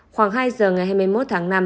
khoảng hai giờ ngày hai mươi một tháng năm